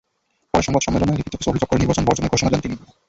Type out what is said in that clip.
পরে সংবাদ সম্মেলনে লিখিত কিছু অভিযোগ করে নির্বাচন বর্জনের ঘোষণা দেন তিনি।